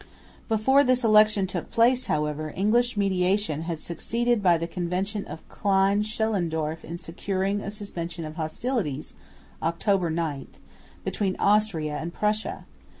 Before this election took place, however, English mediation had succeeded by the convention of Klein Schnellendorf in securing a suspension of hostilities (October 9) between Austria and Prussia.